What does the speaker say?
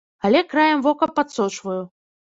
Але краем вока падсочваю.